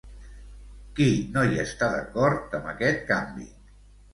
Qui no hi està d'acord amb aquest canvi?